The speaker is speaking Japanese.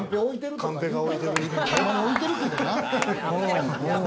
ほんまに置いてるけどな。